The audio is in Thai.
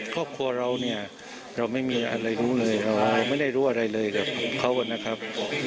ครอบครัวเราเนี่ยเราไม่มีอะไรรู้เลยเราไม่ได้รู้อะไรเลยกับเขานะครับ